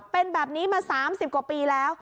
เป็นแบบนี้มา๓๐กว่าปีแล้ว